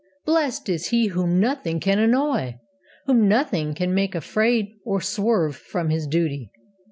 Blessed is he whom Nothing can annoy, whom Nothing can make afraid or swerve from his duty.